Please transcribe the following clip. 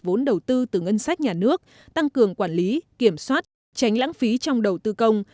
vốn đầu tư từ ngân sách nhà nước tăng cường quản lý kiểm soát tránh lãng phí trong đầu tư công